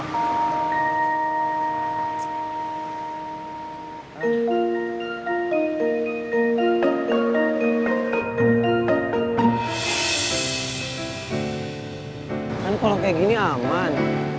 kan kalau kayak gini aman